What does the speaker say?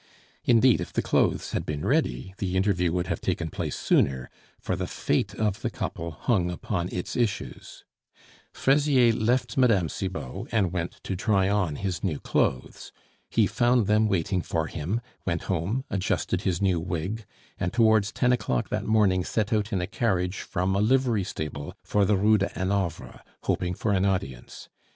Indeed, if the clothes had been ready, the interview would have taken place sooner, for the fate of the couple hung upon its issues. Fraisier left Mme. Cibot, and went to try on his new clothes. He found them waiting for him, went home, adjusted his new wig, and towards ten o'clock that morning set out in a carriage from a livery stable for the Rue de Hanovre, hoping for an audience.